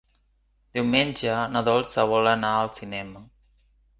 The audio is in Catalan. Diumenge na Dolça vol anar al cinema.